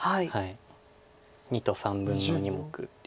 ２と３分の２目。